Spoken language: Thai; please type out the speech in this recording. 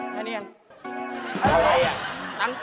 แค่นี้ยัง